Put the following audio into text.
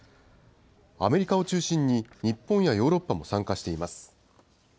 アメリカを中心に日本やヨーロッパも参加しています。